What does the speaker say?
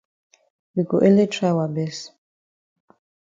We go ele try wa best.